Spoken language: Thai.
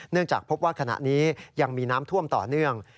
จากพบว่าขณะนี้ยังมีน้ำท่วมต่อเนื่อง